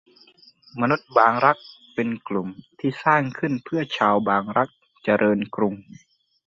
มนุษย์บางรัก เป็นกลุ่มที่สร้างขึ้นเพื่อชาวบางรัก เจริญกรุง